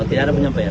oh tiada penyampaian